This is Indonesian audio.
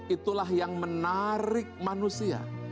itulah yang menarik manusia